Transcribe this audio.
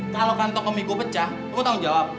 kalau kantong kemi gue pecah lo tau ngejawab